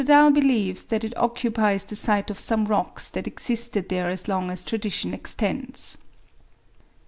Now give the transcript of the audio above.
Dall believes that it occupies the site of some rocks that existed there as long as tradition extends.